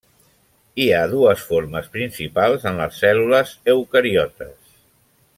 Hi ha dues formes principals en les cèl·lules eucariotes.